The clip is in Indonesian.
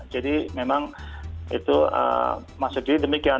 jadi memang itu masuk diri demikian